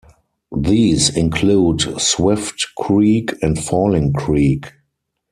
These include Swift Creek and Falling Creek.